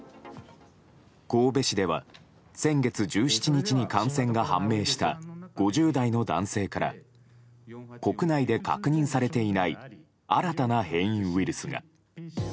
神戸市では先月１７日に感染が判明した５０代の男性から国内で確認されていない新たな変異ウイルスが。